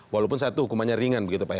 walaupun satu hukumannya ringan begitu pak ya